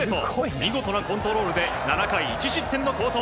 見事なコントロールで７回１失点の好投。